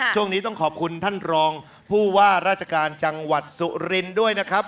ช่วงนี้ต้องขอบคุณท่านรองผู้ว่าราชการจังหวัดสุรินทร์ด้วยนะครับ